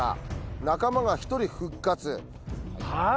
「仲間が１人復活」はあ？